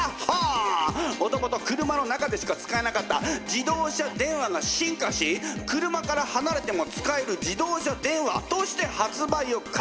もともと車の中でしか使えなかった自動車電話が進化し「車から離れても使える自動車電話」として発売を開始。